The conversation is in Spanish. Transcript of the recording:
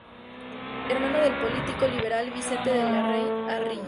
Hermano del político liberal Vicente de Larraín y Aguirre.